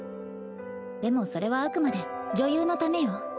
でもそれはあくまで女優のためよ。